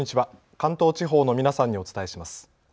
関東地方の皆さんにお伝えします。